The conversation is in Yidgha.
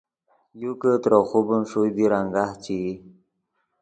یو کہ ترے خوبن ݰوئے دیر انگاہ چے ای